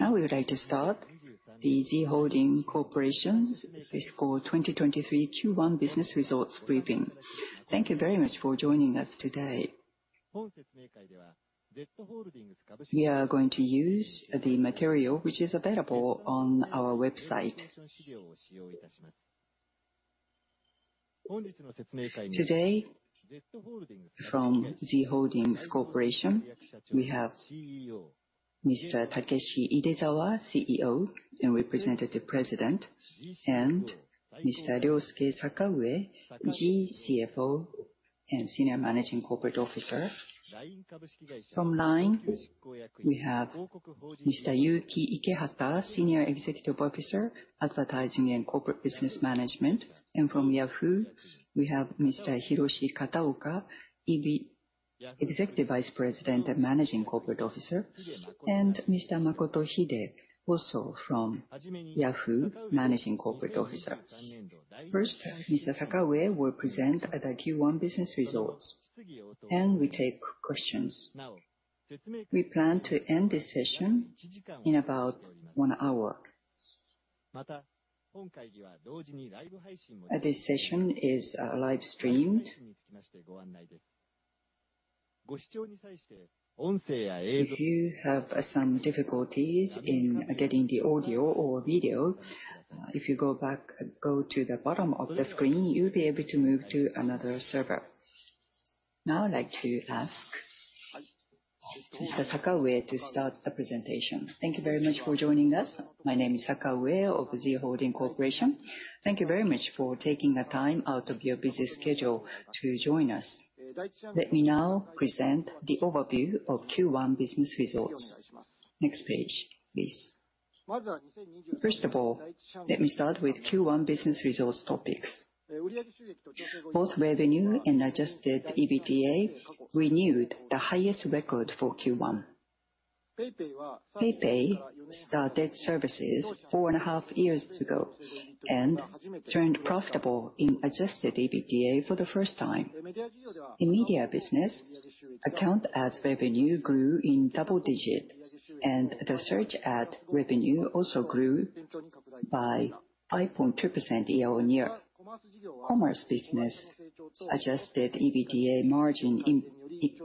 Now we would like to start the Z Holdings Corporation's fiscal 2023 Q1 business results briefing. Thank you very much for joining us today. We are going to use the material which is available on our website. Today, from Z Holdings Corporation, we have Mr. Takeshi Idezawa, CEO and Representative President, and Mr. Ryosuke Sakaue, Z CFO and Senior Managing Corporate Officer. From LINE, we have Mr. Yuki Ikehata, Senior Executive Officer, Advertising and Corporate Business Management, and from Yahoo, we have Mr. Hiroshi Kataoka, Executive Vice President and Managing Corporate Officer, and Mr. Makoto Hide, also from Yahoo, Managing Corporate Officer. First, Mr. Sakaue will present the Q1 business results, then we take questions. We plan to end this session in about one hour. This session is live streamed. If you have some difficulties in getting the audio or video, if you go back, go to the bottom of the screen, you'll be able to move to another server. Now I'd like to ask Mr. Sakaue to start the presentation. Thank you very much for joining us. My name is Sakaue of Z Holdings Corporation. Thank you very much for taking the time out of your busy schedule to join us. Let me now present the overview of Q1 business results. Next page, please. First of all, let me start with Q1 business results topics. Both revenue and adjusted EBITDA renewed the highest record for Q1. PayPay started services 4.5 years ago, and turned profitable in adjusted EBITDA for the first time. In media business, account ads revenue grew in double-digit, and the search ad revenue also grew by 5.2% year-on-year. Commerce business adjusted EBITDA margin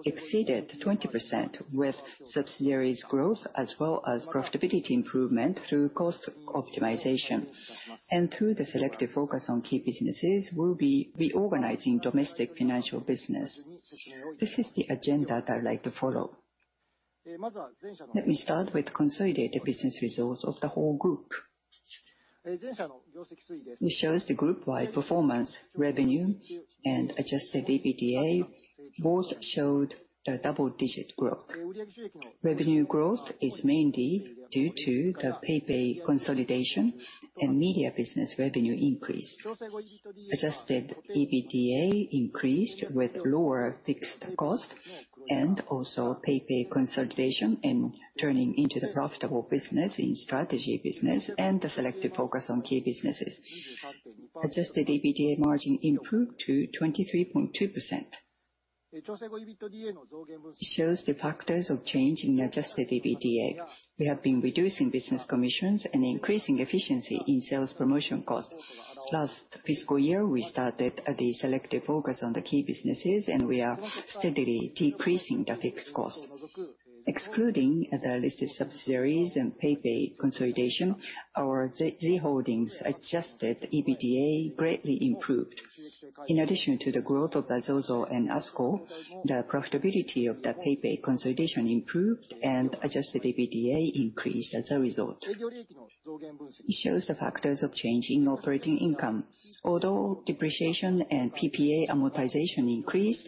exceeded 20%, with subsidiaries growth as well as profitability improvement through cost optimization. Through the selective focus on key businesses, we'll be reorganizing domestic financial business. This is the agenda that I'd like to follow. Let me start with consolidated business results of the whole group. This shows the group-wide performance, revenue and adjusted EBITDA, both showed a double-digit growth. Revenue growth is mainly due to the PayPay consolidation and media business revenue increase. Adjusted EBITDA increased with lower fixed costs and also PayPay consolidation and turning into the profitable business in strategy business and the selective focus on key businesses. Adjusted EBITDA margin improved to 23.2%. It shows the factors of change in adjusted EBITDA. We have been reducing business commissions and increasing efficiency in sales promotion costs. Last fiscal year, we started the selective focus on the key businesses. We are steadily decreasing the fixed costs. Excluding the listed subsidiaries and PayPay consolidation, our Z Holdings adjusted EBITDA greatly improved. In addition to the growth of the ZOZO and ASKUL, the profitability of the PayPay consolidation improved. Adjusted EBITDA increased as a result. It shows the factors of change in operating income. Although depreciation and PPA amortization increased,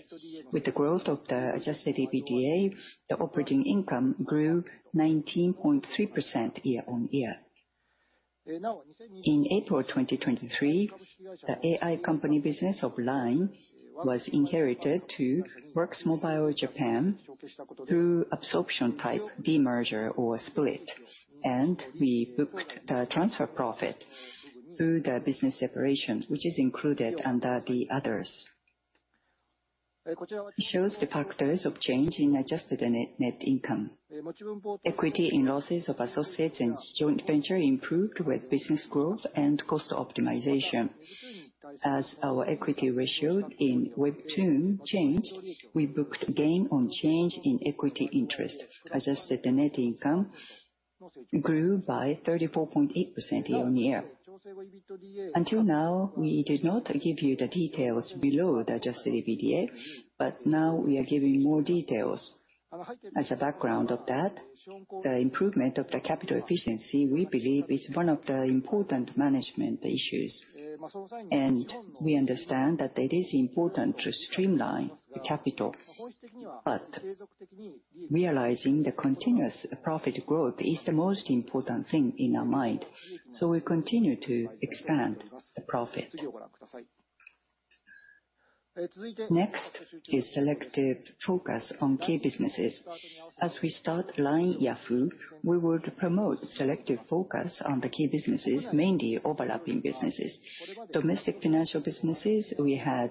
with the growth of the adjusted EBITDA, the operating income grew 19.3% year-on-year. In April 2023, the AI company business of LINE was inherited to Works Mobile Japan through absorption-type demerger or split. We booked the transfer profit through the business separation, which is included under the others. It shows the factors of change in adjusted net income. Equity in losses of associates and joint venture improved with business growth and cost optimization. As our equity ratio in Webtoon changed, we booked gain on change in equity interest. Adjusted net income grew by 34.8% year-on-year. Until now, we did not give you the details below the adjusted EBITDA. Now we are giving more details. As a background of that, the improvement of the capital efficiency, we believe, is one of the important management issues. We understand that it is important to streamline the capital, but realizing the continuous profit growth is the most important thing in our mind, so we continue to expand the profit. Next is selective focus on key businesses. As we start LINE Yahoo, we will promote selective focus on the key businesses, mainly overlapping businesses. Domestic financial businesses, we had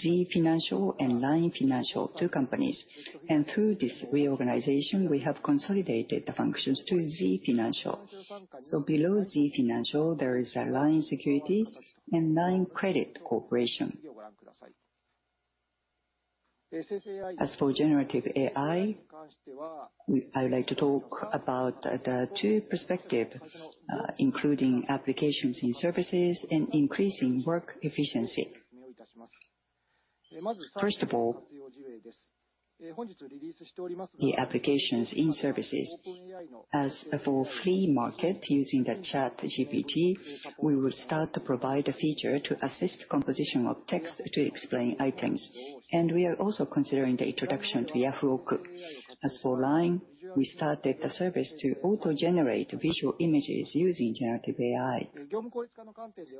Z Financial and LINE Financial, two companies. Through this reorganization, we have consolidated the functions to Z Financial. Below Z Financial, there is a LINE Securities and LINE Credit Corporation. As for generative AI, I would like to talk about the two perspective, including applications in services and increasing work efficiency. First of all, the applications in services. As for flea market, using the ChatGPT, we will start to provide a feature to assist composition of text to explain items, and we are also considering the introduction to Yahoo! Auctions. As for LINE, we started the service to auto-generate visual images using generative AI.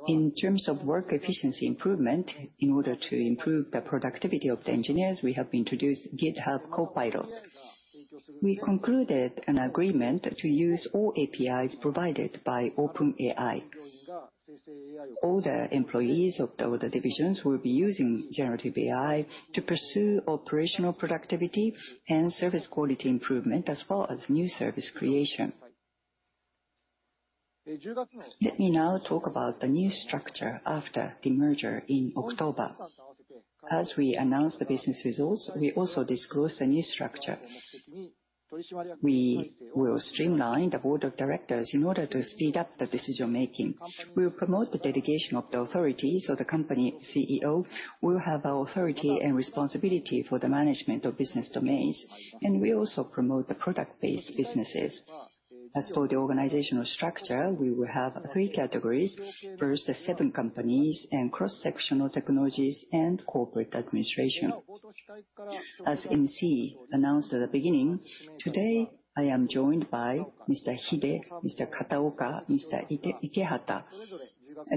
In terms of work efficiency improvement, in order to improve the productivity of the engineers, we have introduced GitHub Copilot. We concluded an agreement to use all APIs provided by OpenAI. All the employees of the other divisions will be using generative AI to pursue operational productivity and service quality improvement, as well as new service creation. Let me now talk about the new structure after the merger in October. As we announce the business results, we also disclose the new structure. We will streamline the board of directors in order to speed up the decision-making. We will promote the delegation of the authorities, so the company CEO will have authority and responsibility for the management of business domains, and we also promote the product-based businesses. As for the organizational structure, we will have three categories. First, the seven companies, and cross-sectional technologies, and corporate administration. As MC announced at the beginning, today, I am joined by Mr. Hide, Mr. Kataoka, Mr. Ikehata.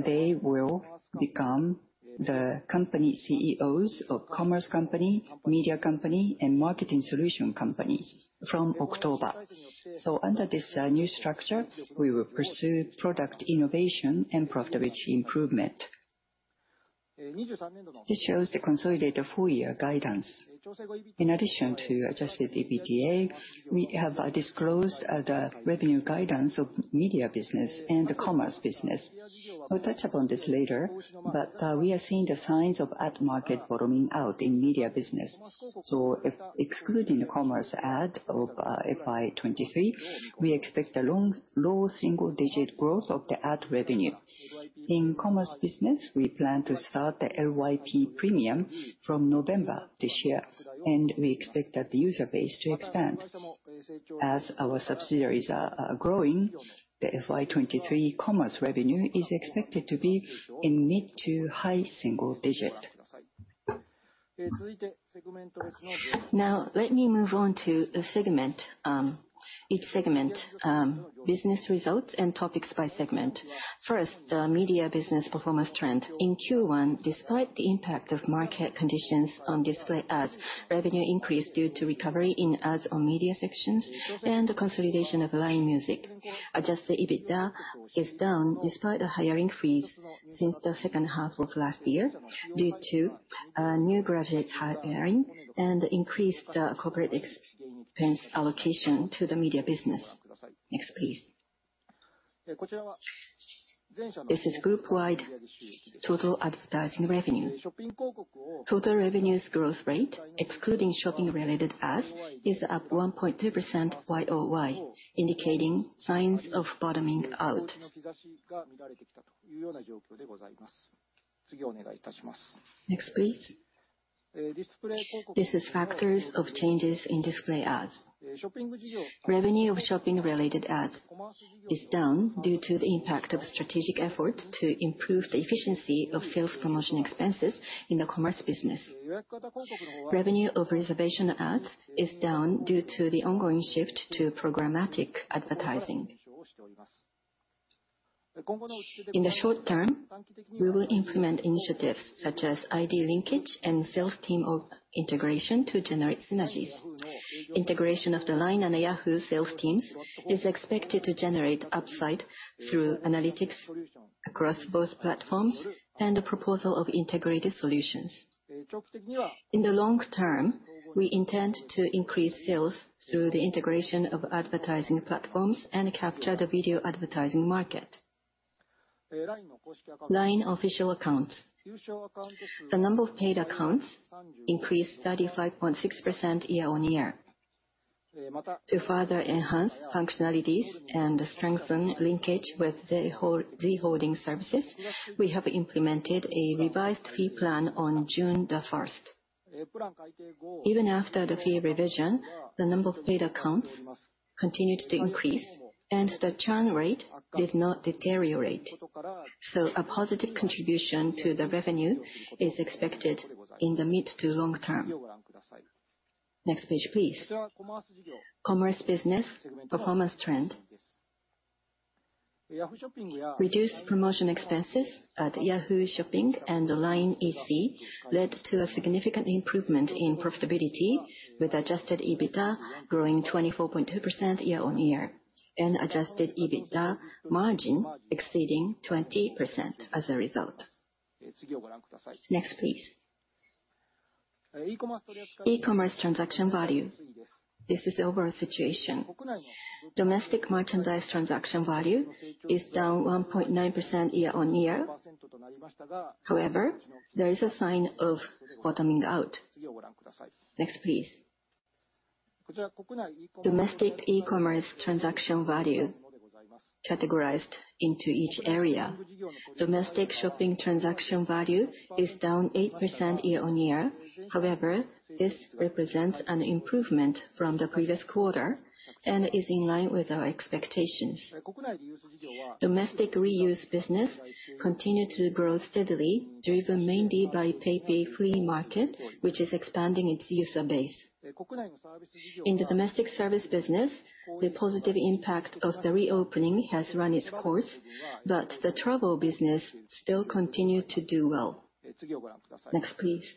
They will become the company CEOs of commerce company, media company, and marketing solution company from October. Under this new structure, we will pursue product innovation and profitage improvement. This shows the consolidated full-year guidance. In addition to adjusted EBITDA, we have disclosed the revenue guidance of media business and the commerce business. We'll touch upon this later, we are seeing the signs of ad market bottoming out in media business. Excluding the commerce ad of FY2023, we expect a low single-digit growth of the ad revenue. In commerce business, we plan to start the LYP Premium from November this year, and we expect that the user base to expand. As our subsidiaries are growing, the FY2023 commerce revenue is expected to be in mid-to-high single digit. Let me move on to a segment, each segment, business results and topics by segment. First, the media business performance trend. In Q1, despite the impact of market conditions on display ads, revenue increased due to recovery in ads on media sections and the consolidation of LINE Music. Adjusted EBITDA is down despite the hiring freeze since the second half of last year, due to new graduate hiring and increased corporate expense allocation to the media business. Next, please. This is group-wide total advertising revenue. Total revenues growth rate, excluding shopping-related ads, is up 1.2% YoY, indicating signs of bottoming out. Next, please. This is factors of changes in display ads. Revenue of shopping-related ads is down due to the impact of strategic efforts to improve the efficiency of sales promotion expenses in the commerce business. Revenue of reservation ads is down due to the ongoing shift to programmatic advertising. In the short term, we will implement initiatives such as ID linkage and sales team of integration to generate synergies. Integration of the LINE and Yahoo! sales teams is expected to generate upside through analytics across both platforms and a proposal of integrated solutions. In the long term, we intend to increase sales through the integration of advertising platforms and capture the video advertising market. LINE official accounts. The number of paid accounts increased 35.6% year-on-year. To further enhance functionalities and strengthen linkage with the whole Z Holdings services, we have implemented a revised fee plan on June the 1st. Even after the fee revision, the number of paid accounts continued to increase, and the churn rate did not deteriorate. A positive contribution to the revenue is expected in the mid to long term. Next page, please. Commerce business performance trend. Reduced promotion expenses at Yahoo! Shopping and the LINE EC led to a significant improvement in profitability, with adjusted EBITDA growing 24.2% year-on-year, and adjusted EBITDA margin exceeding 20% as a result. Next, please. E-commerce transaction value. This is the overall situation. Domestic merchandise transaction value is down 1.9% year-on-year. However, there is a sign of bottoming out. Next, please. Domestic e-commerce transaction value categorized into each area. Domestic shopping transaction value is down 8% year-on-year. However, this represents an improvement from the previous quarter and is in line with our expectations. Domestic reuse business continued to grow steadily, driven mainly by PayPay Flea Market, which is expanding its user base. In the domestic service business, the positive impact of the reopening has run its course, but the travel business still continued to do well. Next, please.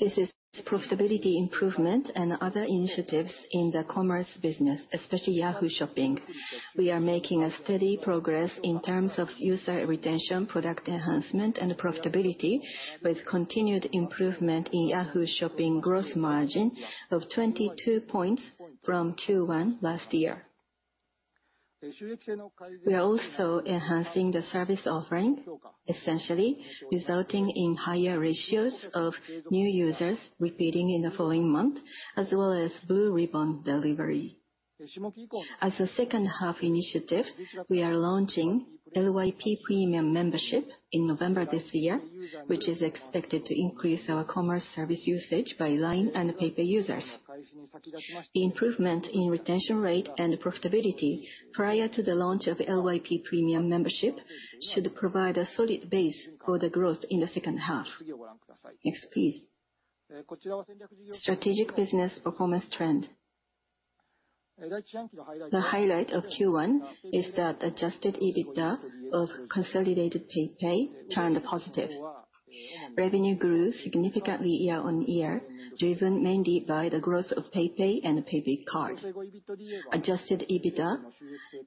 This is profitability improvement and other initiatives in the commerce business, especially Yahoo! Shopping. We are making a steady progress in terms of user retention, product enhancement, and profitability, with continued improvement in Yahoo! Shopping growth margin of 22 points from Q1 last year. We are also enhancing the service offering, essentially resulting in higher ratios of new users repeating in the following month, as well as Blue Ribbon Delivery. As a second half initiative, we are launching LYP Premium membership in November this year, which is expected to increase our commerce service usage by LINE and PayPay users. The improvement in retention rate and profitability prior to the launch of LYP Premium membership should provide a solid base for the growth in the second half. Next, please. Strategic business performance trend. The highlight of Q1 is that adjusted EBITDA of consolidated PayPay turned positive. Revenue grew significantly year-on-year, driven mainly by the growth of PayPay and PayPay Card. Adjusted EBITDA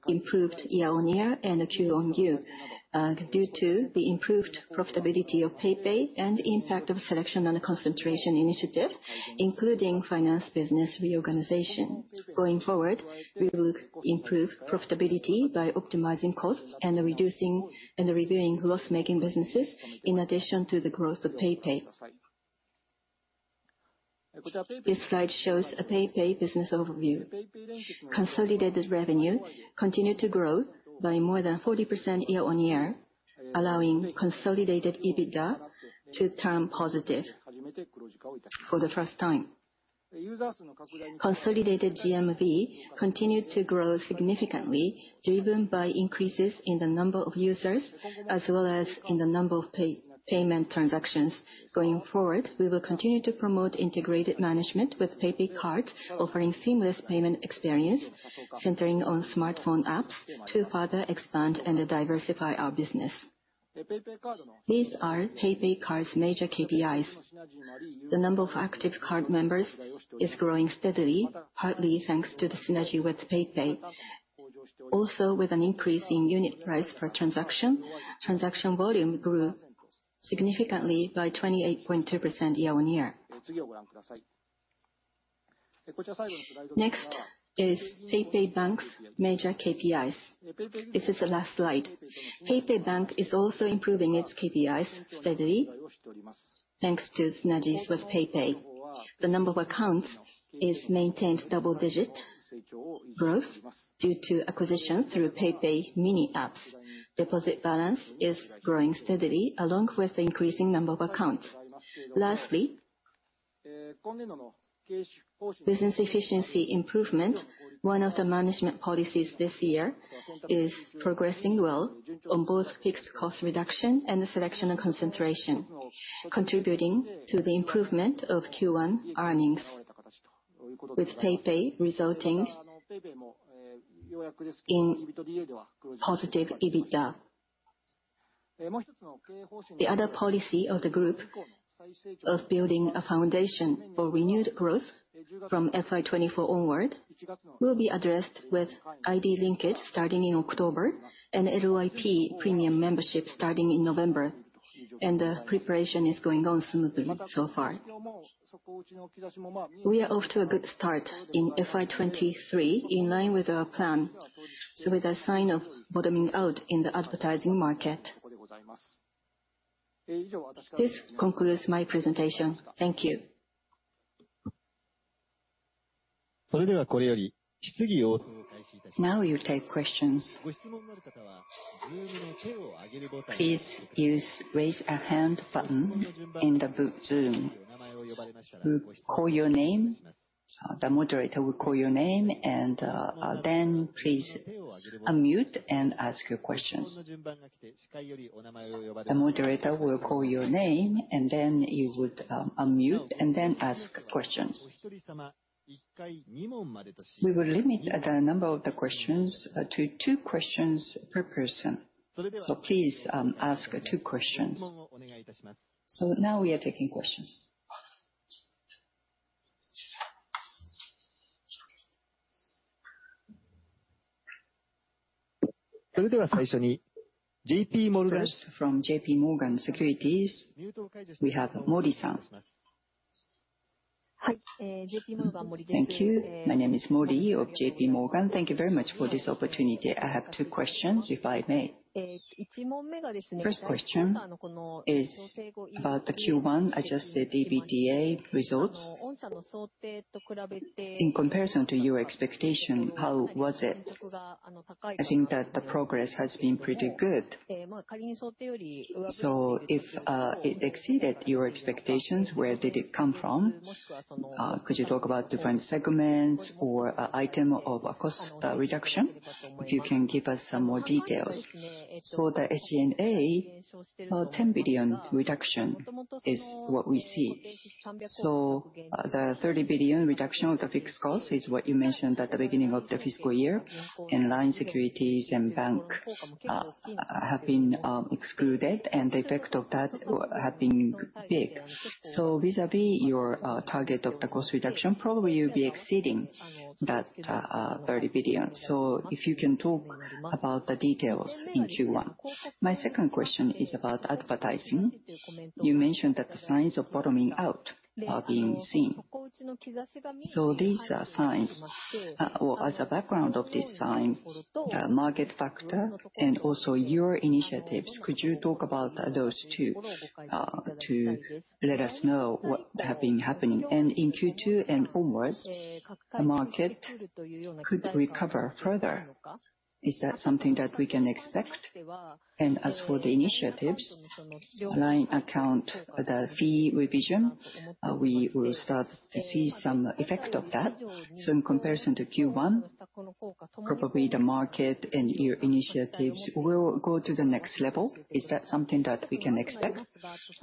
improved year-on-year and QoQ due to the improved profitability of PayPay and impact of selection and concentration initiative, including finance business reorganization. Going forward, we will improve profitability by optimizing costs and reviewing loss-making businesses, in addition to the growth of PayPay. This slide shows a PayPay business overview. Consolidated revenue continued to grow by more than 40% year-on-year, allowing consolidated EBITDA to turn positive for the first time. Consolidated GMV continued to grow significantly, driven by increases in the number of users as well as in the number of pay, payment transactions. Going forward, we will continue to promote integrated management with PayPay Card, offering seamless payment experience centering on smartphone apps to further expand and diversify our business. These are PayPay Card's major KPIs. The number of active card members is growing steadily, partly thanks to the synergy with PayPay. Also, with an increase in unit price per transaction, transaction volume grew significantly by 28.2% year-on-year. Next is PayPay Bank's major KPIs. This is the last slide. PayPay Bank is also improving its KPIs steadily, thanks to synergies with PayPay. The number of accounts is maintained double-digit growth due to acquisition through PayPay Mini Apps. Deposit balance is growing steadily, along with the increasing number of accounts. Lastly, business efficiency improvement, one of the management policies this year, is progressing well on both fixed cost reduction and the selection and concentration, contributing to the improvement of Q1 earnings, with PayPay resulting in positive EBITDA. The other policy of the group of building a foundation for renewed growth from FY2024 onward will be addressed with ID linkage starting in October and LYP Premium membership starting in November. Preparation is going on smoothly so far. We are off to a good start in FY2023, in line with our plan. With a sign of bottoming out in the advertising market. This concludes my presentation. Thank you. Now, we'll take questions. Please use Raise a Hand button in the Zoom. We'll call your name, the moderator will call your name, and then please unmute and ask your questions. The moderator will call your name, and then you would unmute, and then ask questions. We will limit the number of the questions to two questions per person. Please ask two questions. Now we are taking questions. First from JPMorgan Securities Japan, we have Mori-San. Hi. Thank you. My name is Mori of JPMorgan. Thank you very much for this opportunity. I have 2 questions, if I may. First question is about the Q1 adjusted EBITDA results. In comparison to your expectation, how was it? I think that the progress has been pretty good. If it exceeded your expectations, where did it come from? Could you talk about different segments or item of cost reduction, if you can give us some more details. For the SG&A, 10 billion reduction is what we see. The 30 billion reduction of the fixed cost is what you mentioned at the beginning of the fiscal year, and LINE Securities and Bank have been excluded, and the effect of that have been big. Vis-à-vis your target of the cost reduction, probably you'll be exceeding that 30 billion. If you can talk about the details in Q1. My second question is about advertising. You mentioned that the signs of bottoming out are being seen. These are signs, or as a background of this sign, market factor and also your initiatives, could you talk about those two to let us know what have been happening? In Q2 and onwards, the market could recover further. Is that something that we can expect? As for the initiatives, LINE account, the fee revision, we will start to see some effect of that. In comparison to Q1, probably the market and your initiatives will go to the next level. Is that something that we can expect?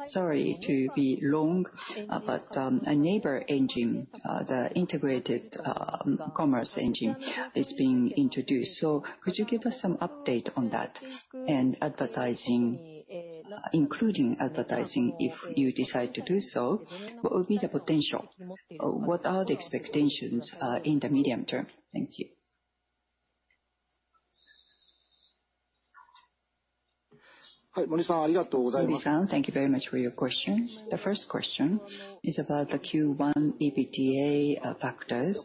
Sorry to be long, a Naver engine, the integrated commerce engine is being introduced. Could you give us some update on that? Advertising, including advertising, if you decide to do so, what would be the potential? What are the expectations in the medium term? Thank you. Mori-san, thank you very much for your questions. The first question is about the Q1 EBITDA factors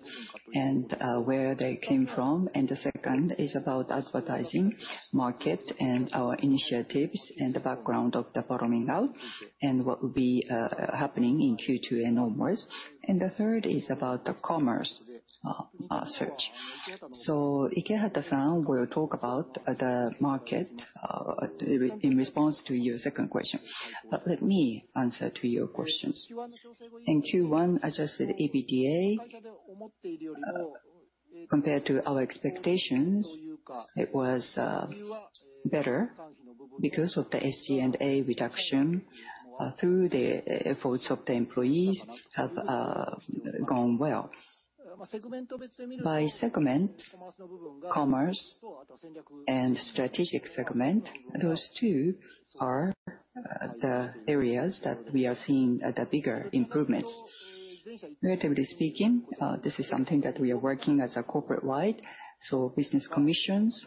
and where they came from, and the second is about advertising, market, and our initiatives, and the background of the bottoming out, and what will be happening in Q2 and onwards. The third is about the commerce search. Ikehata-san will talk about the market in response to your second question. Let me answer to your questions. In Q1, adjusted EBITDA, compared to our expectations, it was better because of the SG&A reduction through the efforts of the employees have gone well. By segment, commerce and strategic segment, those two are the areas that we are seeing the bigger improvements. Relatively speaking, this is something that we are working as a corporate-wide, business commissions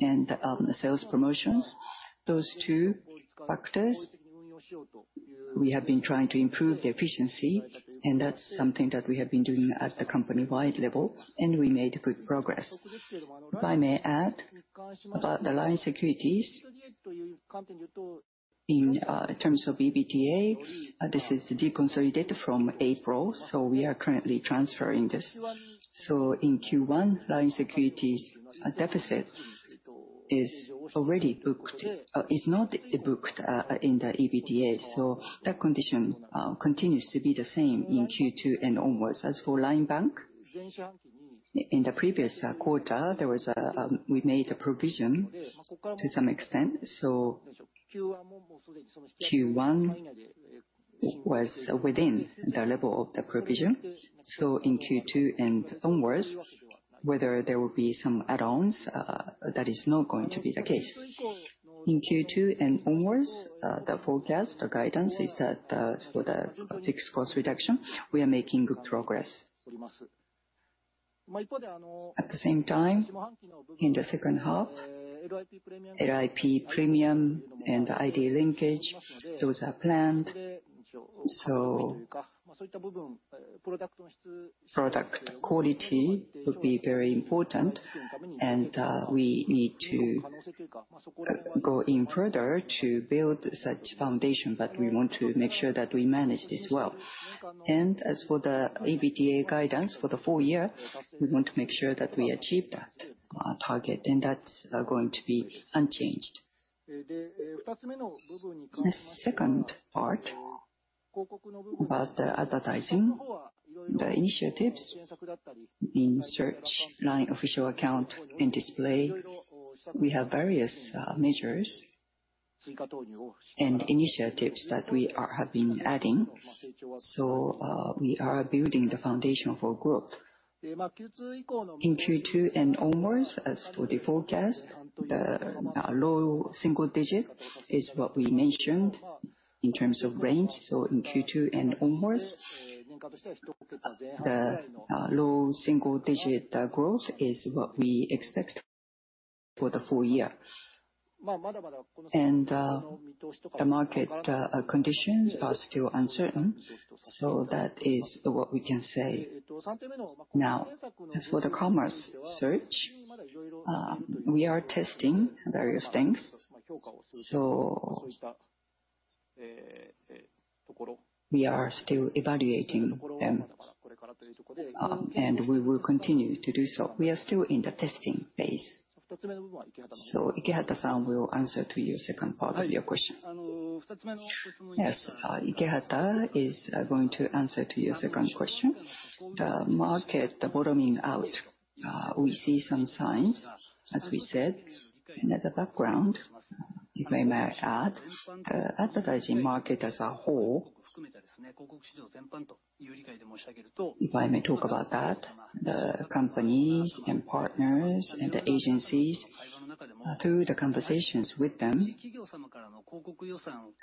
and the sales promotions, those two factors, we have been trying to improve the efficiency, and that's something that we have been doing at the company-wide level, and we made good progress. If I may add, about the LINE Securities, in terms of EBITDA, this is deconsolidated from April, we are currently transferring this. In Q1, LINE Securities' deficit is already booked-- is not booked in the EBITDA, that condition continues to be the same in Q2 and onwards. As for LINE Bank, in the previous quarter, there was a we made a provision to some extent, so Q1 was within the level of the provision. In Q2 and onwards, whether there will be some add-ons, that is not going to be the case. In Q2 and onwards, the forecast, the guidance is that, for the fixed cost reduction, we are making good progress. At the same time, in the second half, LYP Premium and ID linkage, those are planned. Product quality will be very important, and we need to go in further to build such foundation, but we want to make sure that we manage this well. As for the EBITDA guidance for the full year, we want to make sure that we achieve that target, and that's going to be unchanged. Second part, about the advertising, the initiatives in search, LINE official account and display, we have various measures and initiatives that we are, have been adding. We are building the foundation for growth. In Q2 and onwards, as for the forecast, the low single digit is what we mentioned in terms of range. In Q2 and onwards, the low single digit growth is what we expect for the full year. The market conditions are still uncertain, so that is what we can say. Now, as for the commerce search, we are testing various things, so we are still evaluating them, and we will continue to do so. We are still in the testing phase. Ikehata-san will answer to your second part of your question. Yes, Ikehata is going to answer to your second question. The market, the bottoming out, we see some signs, as we said, and as a background, you may, may add, the advertising market as a whole. If I may talk about that, the companies and partners and the agencies, through the conversations with them,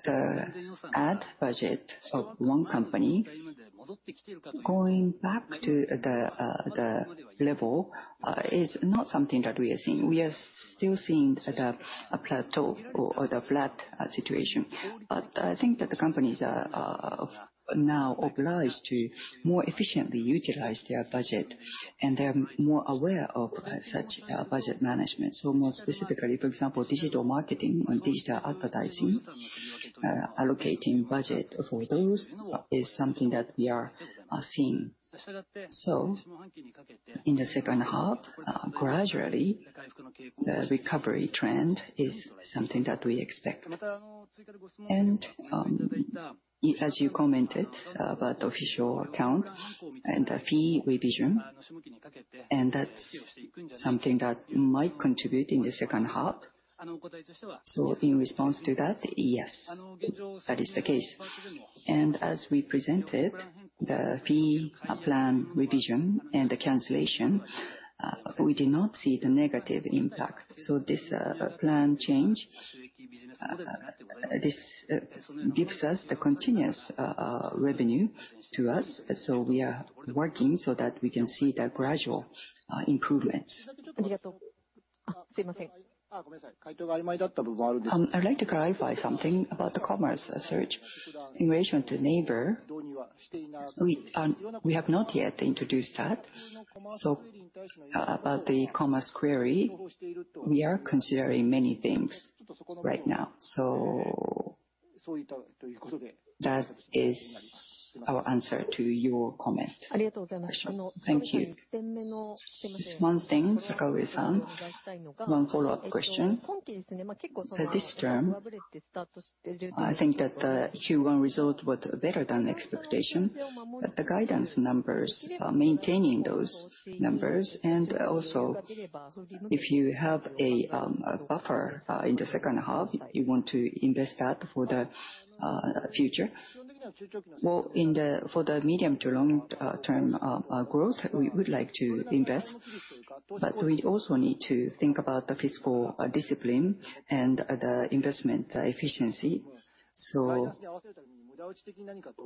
the ad budget of one company, going back to the level, is not something that we are seeing. We are still seeing the, a plateau or the flat situation. I think that the companies are now obliged to more efficiently utilize their budget, and they're more aware of such budget management. More specifically, for example, digital marketing and digital advertising, allocating budget for those is something that we are seeing. In the second half, gradually, the recovery trend is something that we expect. As you commented about official accounts and the fee revision, and that's something that might contribute in the second half. In response to that, yes, that is the case. As we presented, the fee plan revision and the cancellation, we did not see the negative impact. This plan change, this gives us the continuous revenue to us, so we are working so that we can see the gradual improvements. I'd like to clarify something about the commerce search. In relation to Naver, we have not yet introduced that. About the commerce query, we are considering many things right now. That is our answer to your comment. Thank you. Just one thing, Sakaue-san, one follow-up question. For this term, I think that the Q1 result was better than expectation, but the guidance numbers are maintaining those numbers. Also, if you have a buffer in the second half, you want to invest that for the future. Well, in the, for the medium to long term growth, we would like to invest, but we also need to think about the fiscal discipline and the investment efficiency.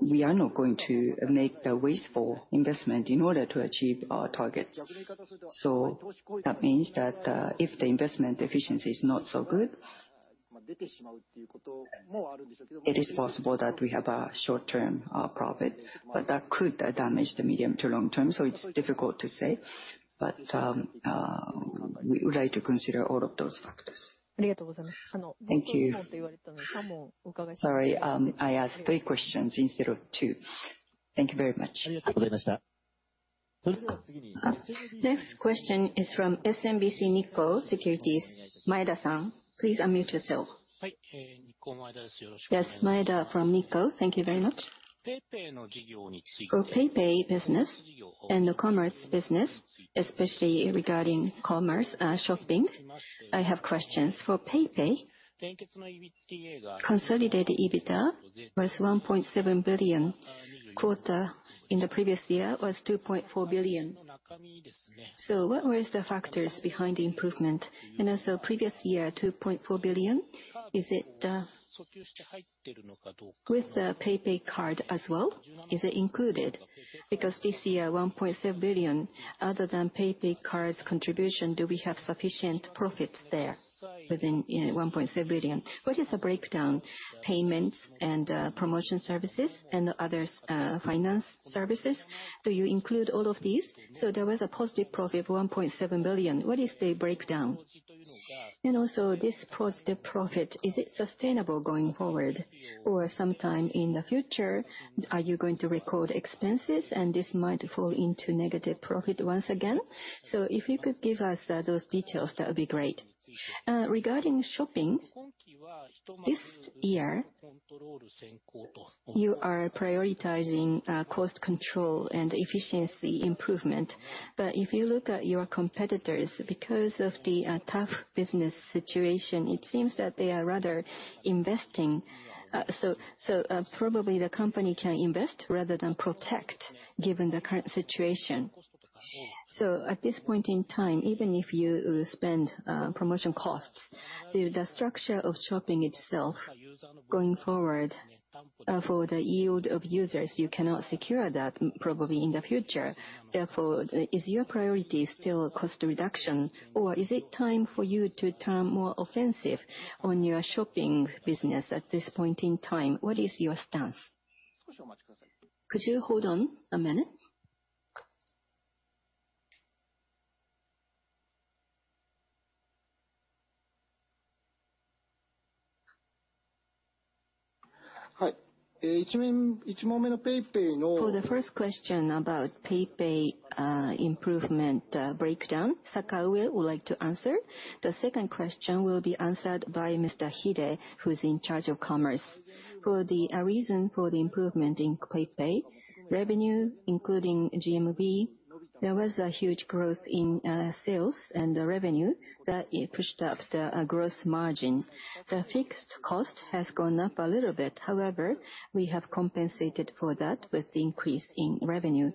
We are not going to make the wasteful investment in order to achieve our targets. That means that if the investment efficiency is not so good, it is possible that we have a short-term profit, but that could damage the medium to long term, so it's difficult to say. We would like to consider all of those factors. Thank you. Sorry, I asked three questions instead of two. Thank you very much. Next question is from SMBC Nikko Securities, Maeda-san. Please unmute yourself. Maeda from Nikko. Thank you very much. PayPay business and the commerce business, especially regarding commerce, shopping, I have questions. PayPay, consolidated EBITDA was 1.7 billion. Quarter in the previous year was 2.4 billion. What was the factors behind the improvement? Previous year, 2.4 billion, is it with the PayPay Cards as well? Is it included? This year, 1.7 billion, other than PayPay Cards contribution, do we have sufficient profits there within, in 1.7 billion? What is the breakdown? Payments and promotion services and the others, finance services, do you include all of these? There was a positive profit of 1.7 billion. What is the breakdown? This positive profit, is it sustainable going forward? Sometime in the future, are you going to record expenses and this might fall into negative profit once again? If you could give us those details, that would be great. Regarding shopping, this year, you are prioritizing cost control and efficiency improvement. If you look at your competitors, because of the tough business situation, it seems that they are rather investing. So, so, probably the company can invest rather than protect, given the current situation. At this point in time, even if you spend promotion costs, the structure of shopping itself going forward, for the yield of users, you cannot secure that probably in the future. Is your priority still cost reduction, or is it time for you to turn more offensive on your shopping business at this point in time? What is your stance? Could you hold on a minute? Hi. For the first question about PayPay improvement breakdown, Sakaue would like to answer. The second question will be answered by Mr. Hide, who's in charge of commerce. For the reason for the improvement in PayPay revenue, including GMV, there was a huge growth in sales and the revenue that it pushed up the growth margin. The fixed cost has gone up a little bit. However, we have compensated for that with the increase in revenue.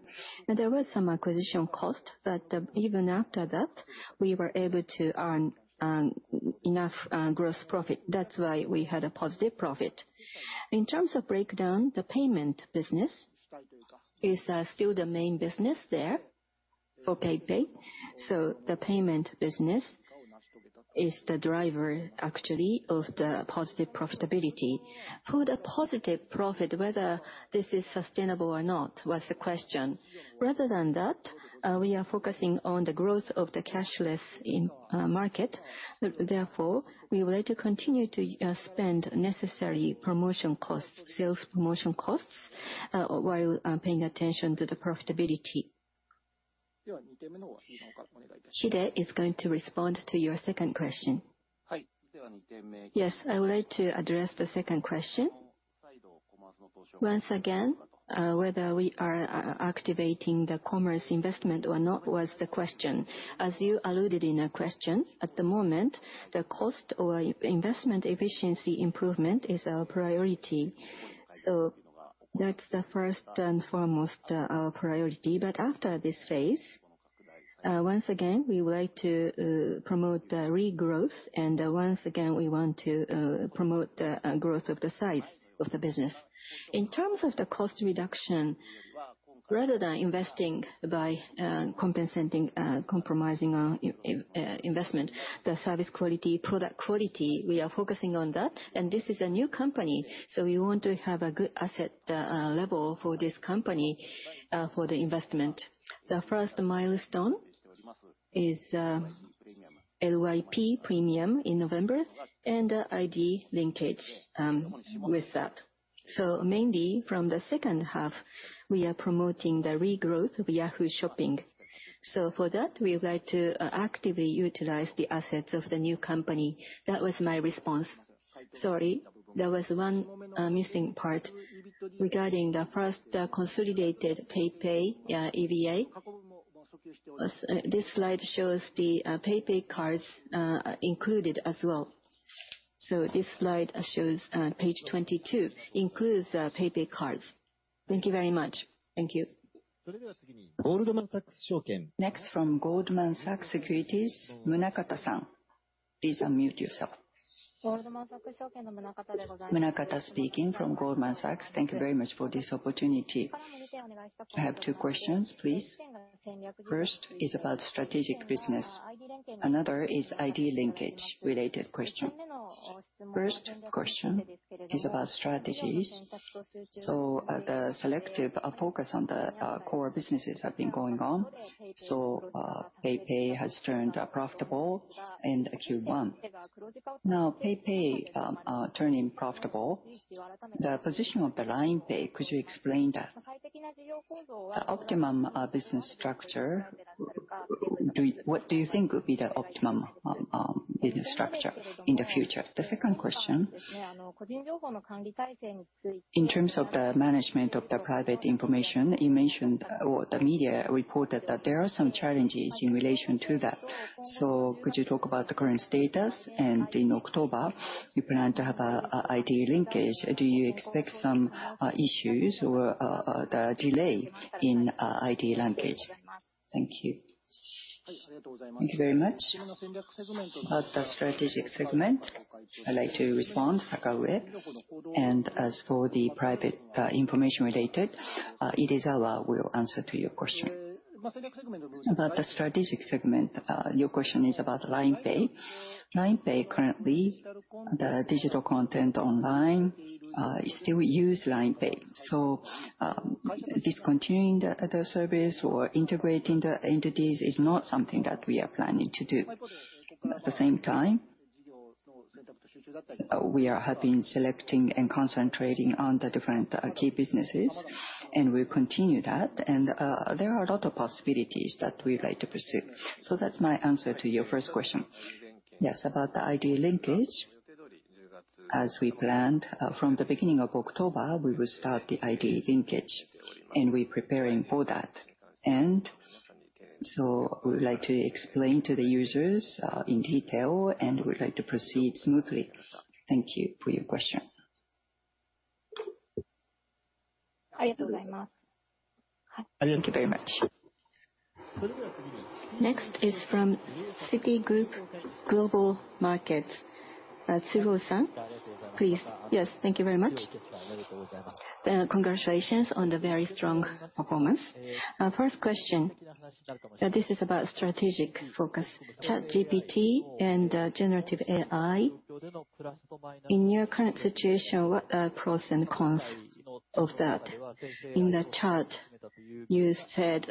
There was some acquisition cost, but even after that, we were able to earn enough gross profit. That's why we had a positive profit. In terms of breakdown, the payment business is still the main business there for PayPay, the payment business is the driver actually of the positive profitability. For the positive profit, whether this is sustainable or not, was the question. Rather than that, we are focusing on the growth of the cashless in market. Therefore, we would like to continue to spend necessary promotion costs, sales promotion costs, while paying attention to the profitability. Hide is going to respond to your second question. Yes, I would like to address the second question. Once again, whether we are activating the commerce investment or not was the question. As you alluded in a question, at the moment, the cost or investment efficiency improvement is our priority. That's the first and foremost, our priority. After this phase, once again, we would like to promote the regrowth, and once again, we want to promote the growth of the size of the business. In terms of the cost reduction, rather than investing by compensating, compromising our investment, the service quality, product quality, we are focusing on that. This is a new company, so we want to have a good asset level for this company, for the investment. The first milestone is LYP Premium in November and ID linkage with that. Mainly from the second half, we are promoting the regrowth of Yahoo! Shopping. For that, we would like to actively utilize the assets of the new company. That was my response. Sorry, there was one missing part regarding the first consolidated PayPay EVA. This slide shows the PayPay cards included as well. This slide shows page 22, includes the PayPay cards. Thank you very much. Thank you. Next, from Goldman Sachs Japan, Munakata-san. Please unmute yourself. Munakata speaking from Goldman Sachs. Thank you very much for this opportunity. I have two questions, please. First is about strategic business. Another is ID linkage related question. First question is about strategies. The selective focus on the core businesses have been going on, PayPay has turned profitable in Q1. Now, PayPay turning profitable, the position of the LINE Pay, could you explain that? The optimum business structure, what do you think would be the optimum business structure in the future? The second question, in terms of the management of the private information, you mentioned, or the media reported that there are some challenges in relation to that. Could you talk about the current status? In October, you plan to have a ID linkage. Do you expect some issues or the delay in ID linkage? Thank you. Thank you very much. About the strategic segment, I'd like to respond, Sakaue. As for the private information related, Idezawa will answer to your question. About the strategic segment, your question is about LINE Pay. LINE Pay, currently, the digital content online, still use LINE Pay. Discontinuing the service or integrating the entities is not something that we are planning to do. At the same time, we are, have been selecting and concentrating on the different key businesses, and we'll continue that. There are a lot of possibilities that we'd like to pursue. That's my answer to your first question. Yes, about the ID linkage. As we planned, from the beginning of October, we will start the ID linkage, and we're preparing for that. So we would like to explain to the users in detail, and we'd like to proceed smoothly. Thank you for your question. Thank you very much. Thank you very much. Next is from Citigroup Global Markets. Tsuru-san, please. Yes, thank you very much. Congratulations on the very strong performance. First question, this is about strategic focus. ChatGPT and generative AI, in your current situation, what are pros and cons of that? In the chat, you said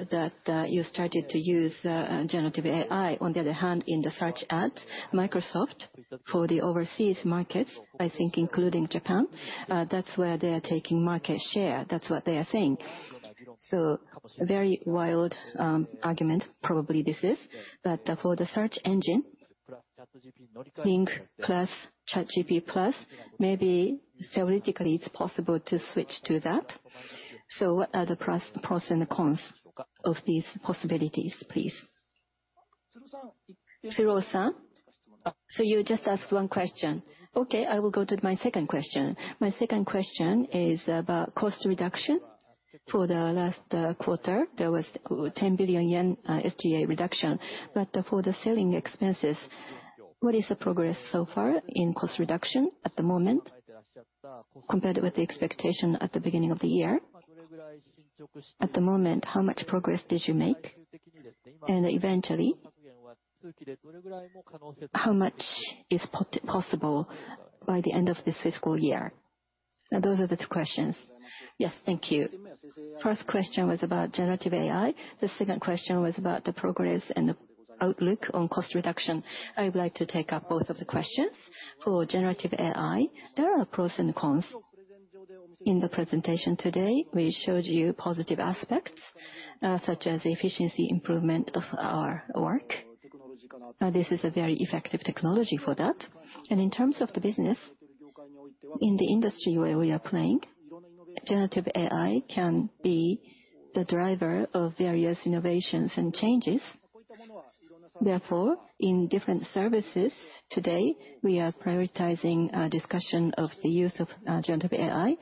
that, you started to use generative AI. On the other hand, in the search ads, Microsoft, for the overseas markets, I think including Japan, that's where they are taking market share. That's what they are saying. A very wild argument, probably this is, but for the search engine, LINE plus ChatGPT Plus, maybe theoretically, it's possible to switch to that. So what are the pros, pros and cons of these possibilities, please? Tsuru-san? Ah, you just asked one question. Okay, I will go to my second question. My second question is about cost reduction. For the last quarter, there was 10 billion yen SG&A reduction. For the selling expenses, what is the progress so far in cost reduction at the moment, compared with the expectation at the beginning of the year? At the moment, how much progress did you make? Eventually, how much is possible by the end of this fiscal year? Those are the two questions. Yes, thank you. First question was about generative AI. The second question was about the progress and the outlook on cost reduction. I would like to take up both of the questions. For generative AI, there are pros and cons. In the presentation today, we showed you positive aspects, such as efficiency improvement of our work. This is a very effective technology for that. In terms of the business, in the industry where we are playing, generative AI can be the driver of various innovations and changes. Therefore, in different services today, we are prioritizing a discussion of the use of generative AI.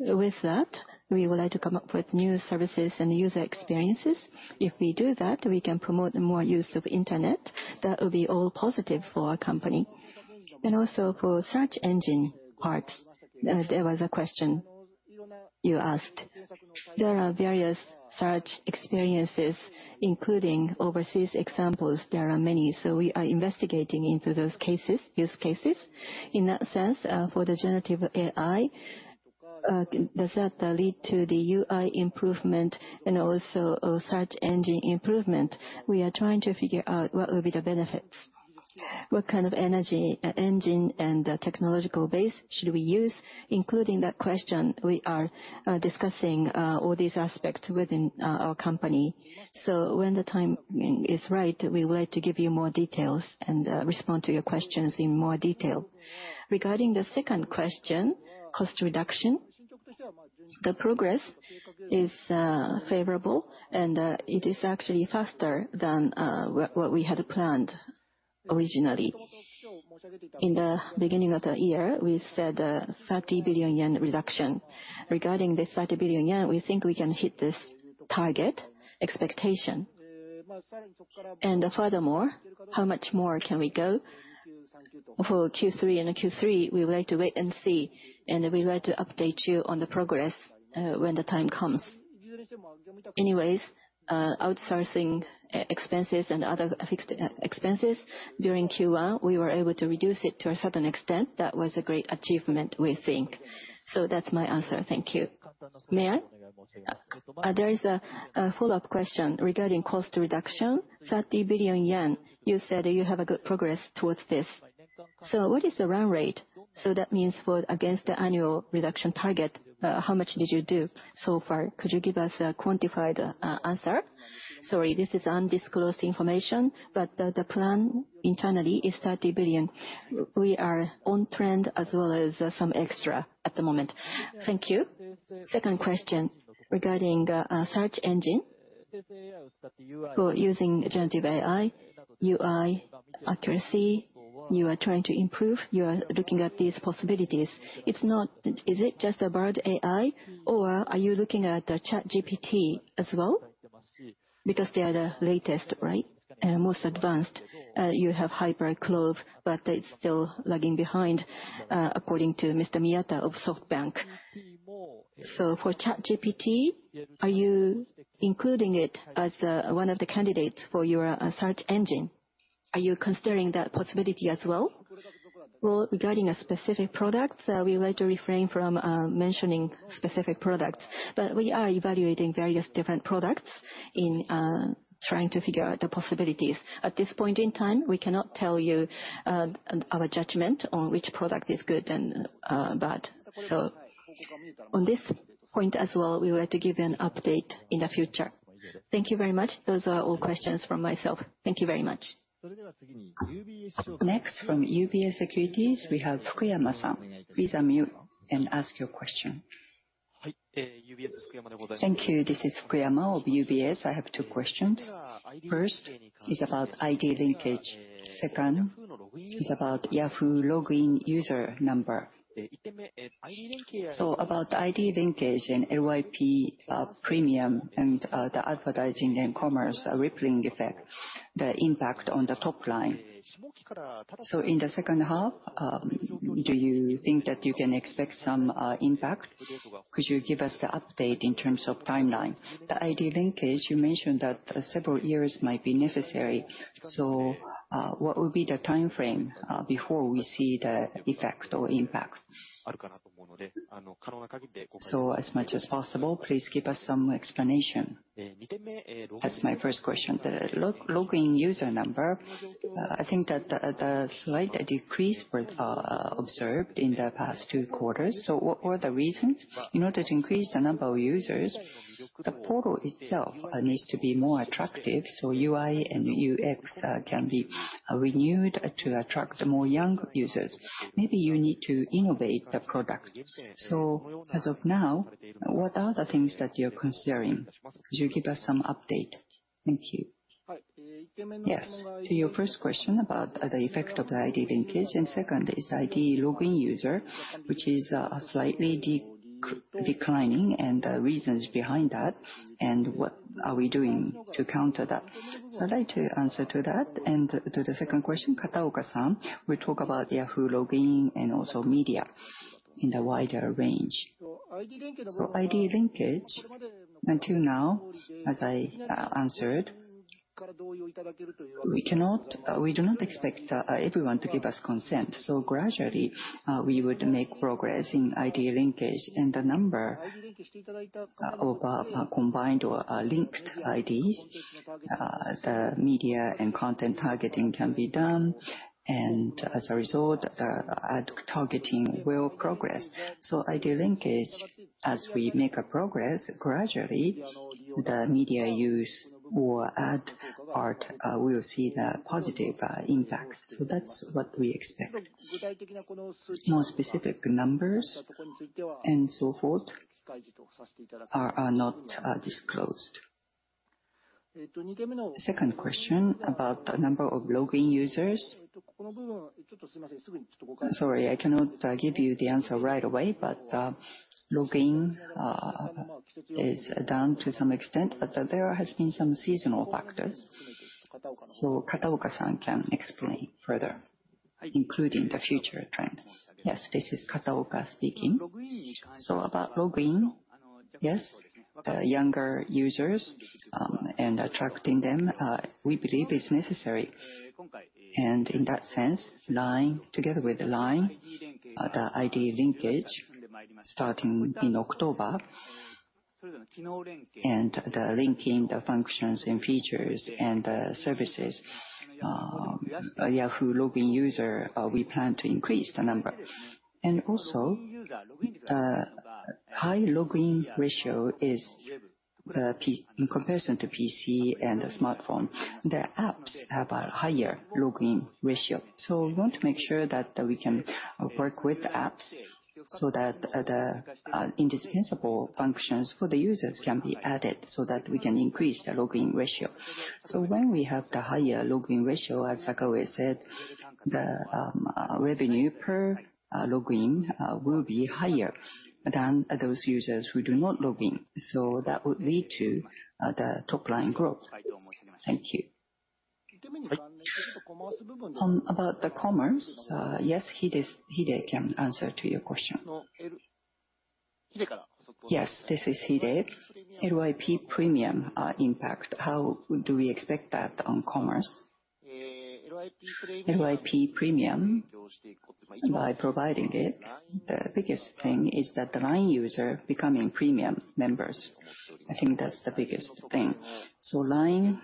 With that, we would like to come up with new services and user experiences. If we do that, we can promote more use of internet. That will be all positive for our company. Also, for search engine part, there was a question you asked. There are various search experiences, including overseas examples. There are many, so we are investigating into those cases, use cases. In that sense, for the generative AI, does that lead to the UI improvement and also a search engine improvement? We are trying to figure out what will be the benefits. What kind of energy, engine and technological base should we use? Including that question, we are discussing all these aspects within our company. When the time is right, we would like to give you more details and respond to your questions in more detail. Regarding the second question, cost reduction, the progress is favorable, and it is actually faster than what we had planned originally. In the beginning of the year, we said 30 billion yen reduction. Regarding this 30 billion yen, we think we can hit this target expectation. Furthermore, how much more can we go for Q3 and Q3? We would like to wait and see, and we would like to update you on the progress when the time comes. Anyways, outsourcing e-expenses and other fixed expenses, during Q1, we were able to reduce it to a certain extent. That was a great achievement, we think. That's my answer. Thank you. May I? Yes. There is a follow-up question regarding cost reduction. 30 billion yen, you said you have a good progress towards this. What is the run rate? That means for against the annual reduction target, how much did you do so far? Could you give us a quantified answer? Sorry, this is undisclosed information, but the plan internally is 30 billion. We are on trend as well as some extra at the moment. Thank you. Second question, regarding search engine. For using generative AI, UI accuracy, you are trying to improve, you are looking at these possibilities. Is it just about AI, or are you looking at ChatGPT as well? Because they are the latest, right? Most advanced. You have HyperCLOVA, but it's still lagging behind, according to Mr. Miyakawa of SoftBank. For ChatGPT, are you including it as one of the candidates for your search engine? Are you considering that possibility as well? Well, regarding a specific product, we would like to refrain from mentioning specific products, but we are evaluating various different products in trying to figure out the possibilities. At this point in time, we cannot tell you our judgment on which product is good and bad. On this point as well, we would like to give you an update in the future. Thank you very much. Those are all questions from myself. Thank you very much. Next, from UBS Securities, we have Fukuyama-san. Please unmute and ask your question. Thank you. This is Fukuyama of UBS. I have two questions. First, is about ID linkage. Second, is about Yahoo login user number. About the ID linkage and LYP Premium and the advertising and commerce rippling effect, the impact on the top line. In the second half, do you think that you can expect some impact? Could you give us the update in terms of timeline? The ID linkage, you mentioned that several years might be necessary, so what would be the timeframe before we see the effects or impact? As much as possible, please give us some explanation. That's my first question. The login user number, I think that the slight decrease was observed in the past two quarters, so what were the reasons? In order to increase the number of users, the portal itself needs to be more attractive, so UI and UX can be renewed to attract more young users. Maybe you need to innovate the product. As of now, what are the things that you're considering? Could you give us some update? Thank you. Yes. To your first question about the effect of the ID linkage, and second is ID login user, which is slightly declining, and the reasons behind that, and what are we doing to counter that. I'd like to answer to that, and to the second question, Kataoka-san, will talk about Yahoo login and also media in the wider range. ID linkage, until now, as I answered, we cannot-- we do not expect everyone to give us consent, so gradually, we would make progress in ID linkage and the number of combined or linked IDs. The media and content targeting can be done, and as a result, ad targeting will progress. ID linkage, as we make a progress, gradually, the media use or ad part will see the positive impact. That's what we expect. More specific numbers and so forth are, are not disclosed. Second question, about the number of login users. Sorry, I cannot give you the answer right away, but login is down to some extent, but there has been some seasonal factors. Kataoka-san can explain further, including the future trends. Yes, this is Kataoka speaking. About login, yes, younger users, and attracting them, we believe is necessary. In that sense, LINE, together with LINE, the ID linkage starting in October, and the linking the functions and features and the services, Yahoo login user, we plan to increase the number. Also, high login ratio is in comparison to PC and the smartphone, the apps have a higher login ratio. We want to make sure that we can work with the apps, so that the indispensable functions for the users can be added, so that we can increase the login ratio. When we have the higher login ratio, as Sakaue said, the revenue per login will be higher than those users who do not log in, so that would lead to the top line growth. Thank you. About the commerce, yes, Hide, Hide can answer to your question. Yes, this is Hide. LYP Premium impact, how do we expect that on commerce? LYP Premium, by providing it, the biggest thing is that the LINE user becoming premium members. I think that's the biggest thing. LINE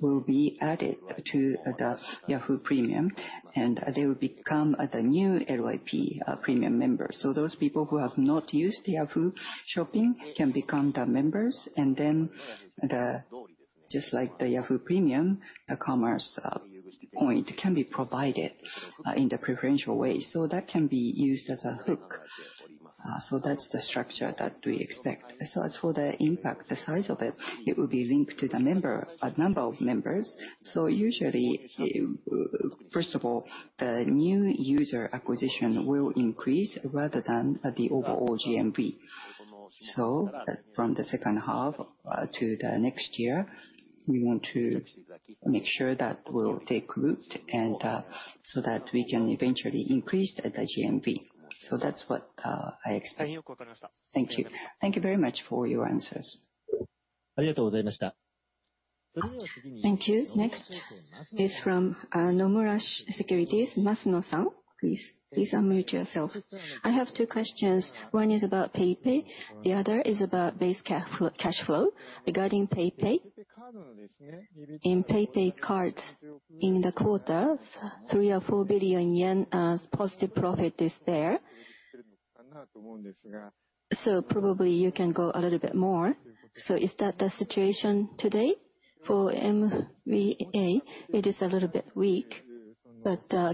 will be added to the Yahoo! Premium, and they will become the new LYP Premium members. Those people who have not used Yahoo! Shopping can become the members, and then the, just like the Yahoo! Premium, the commerce point can be provided in the preferential way. That can be used as a hook. That's the structure that we expect. As for the impact, the size of it, it will be linked to the member, a number of members. Usually, it, first of all, the new user acquisition will increase rather than the overall GMV. From the second half to the next year, we want to make sure that will take root and so that we can eventually increase the GMV. That's what I expect. Thank you. Thank you very much for your answers. Thank you. Next is from Nomura Securities, Masuno-san. Please, please unmute yourself. I have two questions. One is about PayPay, the other is about base cash flow. Regarding PayPay, in PayPay cards, in the quarter, 3 billion JPY or 4 billion yen positive profit is there. Probably you can go a little bit more. Is that the situation today? For MVA, it is a little bit weak.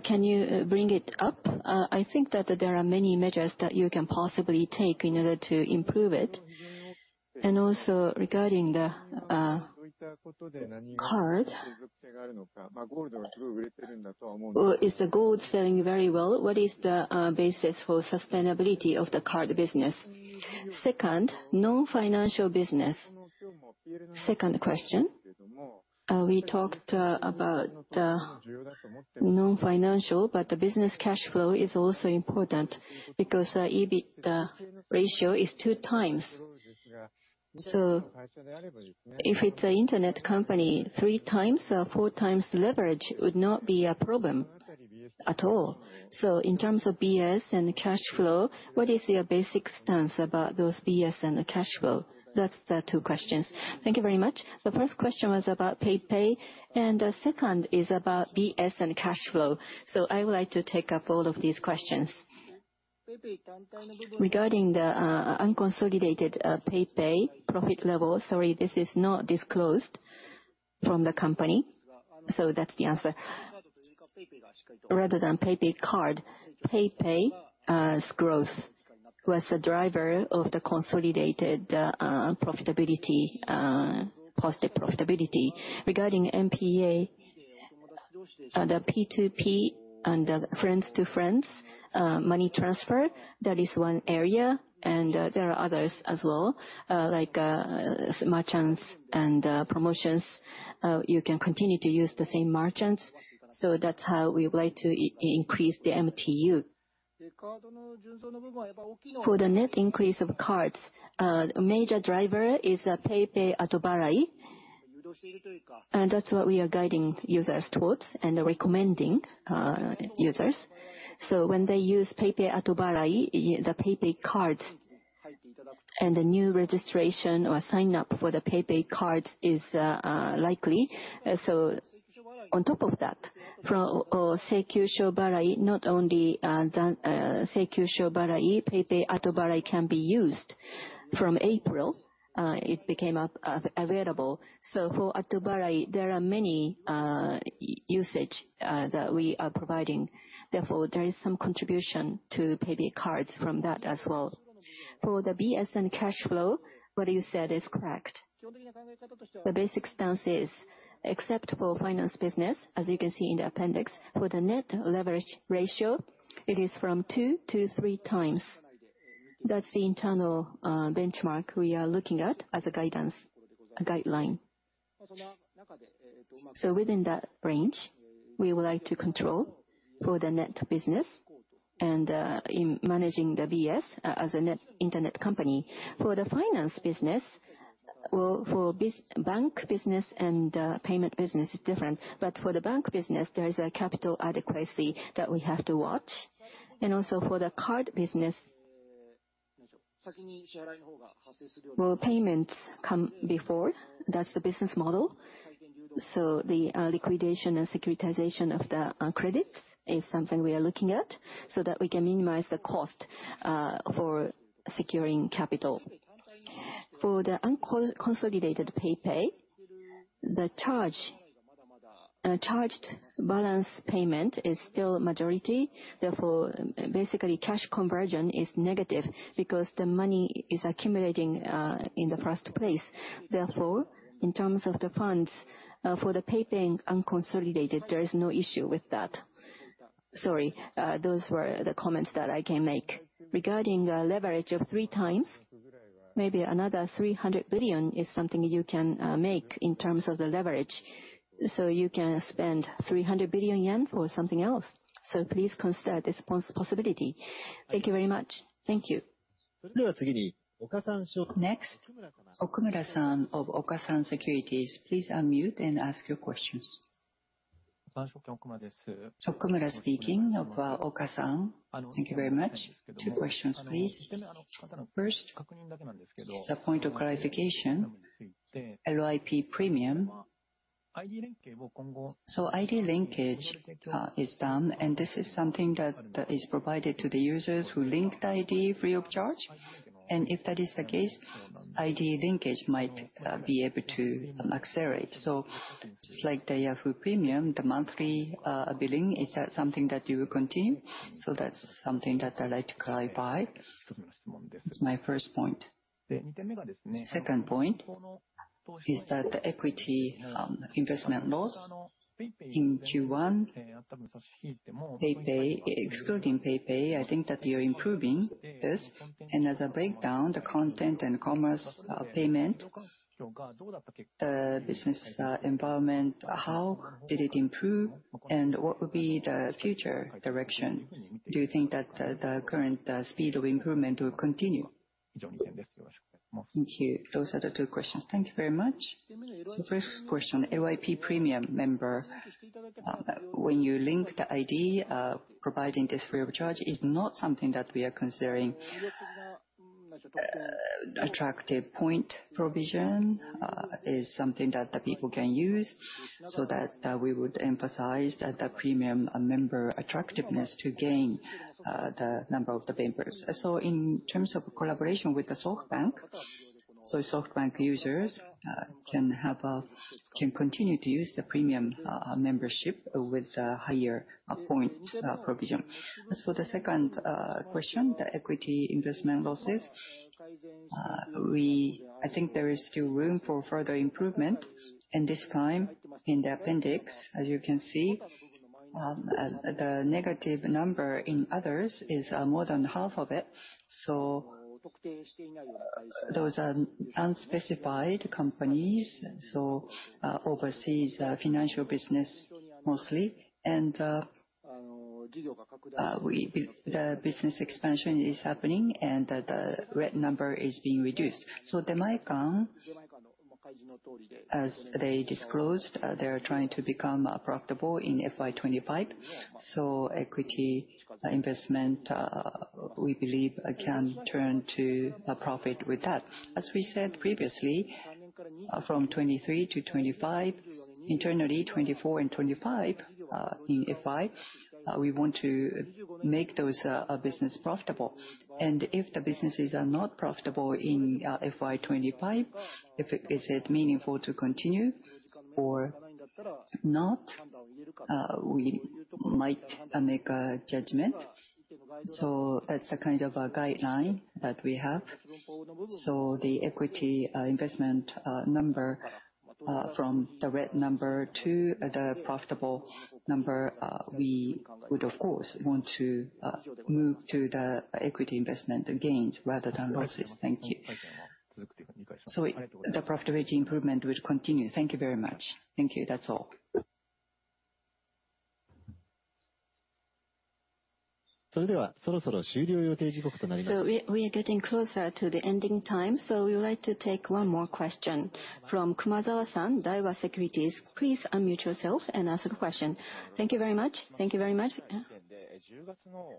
Can you bring it up? I think that there are many measures that you can possibly take in order to improve it. Also, regarding the card, well, is the gold selling very well? What is the basis for sustainability of the card business? Second, non-financial business. Second question, we talked about the non-financial, but the business cash flow is also important because EBIT ratio is two times. If it's an internet company, three times or four times leverage would not be a problem at all. In terms of BS and cash flow, what is your basic stance about those BS and the cash flow? That's the two questions. Thank you very much. The first question was about PayPay, and the second is about BS and cash flow. I would like to take up all of these questions. Regarding the unconsolidated PayPay profit level, sorry, this is not disclosed from the company, that's the answer. Rather than PayPay Card, PayPay growth was the driver of the consolidated profitability, positive profitability. Regarding NPA, the P2P and the friends-to-friends money transfer, that is one area, there are others as well, like merchants and promotions. You can continue to use the same merchants, so that's how we would like to increase the MTU. For the net increase of cards, major driver is PayPay, and that's what we are guiding users towards and recommending users. When they use PayPay, the PayPay Cards and the new registration or sign-up for the PayPay Cards is likely. On top of that, from, not only, the, PayPay can be used. From April, it became available. For, there are many usage that we are providing. Therefore, there is some contribution to PayPay Cards from that as well. For the BS and cash flow, what you said is correct. The basic stance is, except for finance business, as you can see in the appendix, for the net leverage ratio, it is from two to three times. That's the internal benchmark we are looking at as a guidance, a guideline. Within that range, we would like to control for the net business and in managing the BS as a net internet company. For the finance business, well, for bank business and payment business, it's different. For the bank business, there is a capital adequacy that we have to watch. Also for the card business, well, payments come before. That's the business model. The liquidation and securitization of the credits is something we are looking at so that we can minimize the cost for securing capital. For the consolidated PayPay, the charge, and a charged balance payment is still majority, basically, cash conversion is negative because the money is accumulating in the first place. In terms of the funds, for the PayPay unconsolidated, there is no issue with that. Sorry, those were the comments that I can make. Regarding the leverage of three times, maybe another 300 billion is something you can make in terms of the leverage. You can spend 300 billion yen for something else, please consider this possibility. Thank you very much. Thank you. Okumura-san of Okasan Securities, please unmute and ask your questions. Okumura speaking of Okasan. Thank you very much. Two questions, please. First, the point of clarification, LYP Premium. ID linkage is done, and this is something that, that is provided to the users who link the ID free of charge? If that is the case, ID linkage might be able to accelerate. Just like the Yahoo! Premium, the monthly billing, is that something that you will continue? That's something that I'd like to clarify. That's my first point. Second point is that the equity investment loss in Q1, PayPay, excluding PayPay, I think that you're improving this. As a breakdown, the content and commerce payment, the business environment, how did it improve, and what would be the future direction? Do you think that the, the current speed of improvement will continue? Thank you. Those are the 2 questions. Thank you very much. First question, LYP Premium member, when you link the ID, providing this free of charge is not something that we are considering. Attractive point provision is something that the people can use, that we would emphasize that the premium member attractiveness to gain the number of the members. In terms of collaboration with the SoftBank. SoftBank users can have a, can continue to use the premium membership with higher point provision. As for the second question, the equity investment losses, I think there is still room for further improvement. This time, in the appendix, as you can see, the negative number in others is more than half of it, so those are unspecified companies, so overseas financial business mostly. We, the business expansion is happening, and the red number is being reduced. They might come, as they disclosed, they are trying to become profitable in FY 2025. Equity investment, we believe, can turn to a profit with that. As we said previously, from 2023 to 2025, internally 2024 and 2025, in FY, we want to make those business profitable. If the businesses are not profitable in FY 2025, if it, is it meaningful to continue or not, we might make a judgment. That's a kind of a guideline that we have. The equity investment number from the red number to the profitable number, we would of course, want to move to the equity investment gains rather than losses. Thank you. The profitability improvement will continue. Thank you very much. Thank you. That's all. We, we are getting closer to the ending time, so we would like to take one more question from Kumazawa-san, Daiwa Securities. Please unmute yourself and ask the question. Thank you very much. Thank you very much.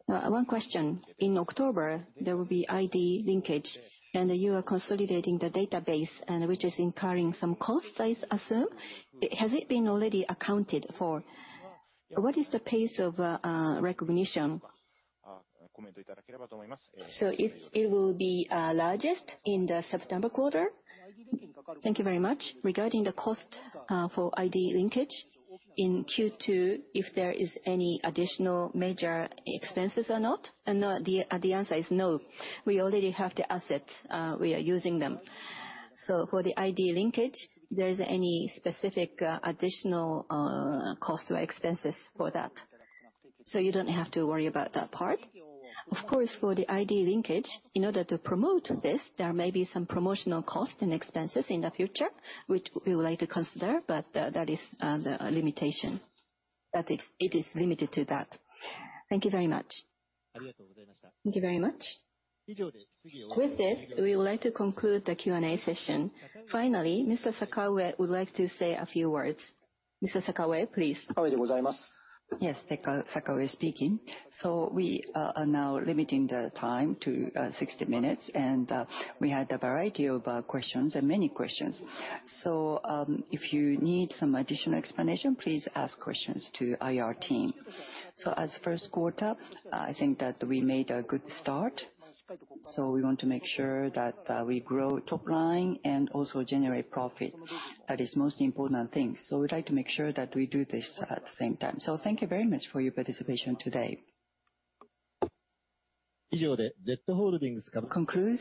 One question: in October, there will be ID linkage, and you are consolidating the database, and which is incurring some costs, I assume. Has it been already accounted for? What is the pace of recognition? It, it will be largest in the September quarter. Thank you very much. Regarding the cost for ID linkage, in Q2, if there is any additional major expenses or not, and no, the answer is no. We already have the assets, we are using them. For the ID linkage, there isn't any specific additional cost or expenses for that. You don't have to worry about that part. Of course, for the ID linkage, in order to promote this, there may be some promotional costs and expenses in the future, which we would like to consider, but that is the limitation. That is, it is limited to that. Thank you very much. Thank you very much. With this, we would like to conclude the Q&A session. Finally, Mr. Sakaue would like to say a few words. Mr. Sakaue, please. Yes, Sakaue speaking. We are now limiting the time to 60 minutes, and we had a variety of questions and many questions. If you need some additional explanation, please ask questions to IR team. As first quarter, I think that we made a good start, so we want to make sure that we grow top line and also generate profit. That is most important thing. We'd like to make sure that we do this at the same time. Thank you very much for your participation today. Conclude?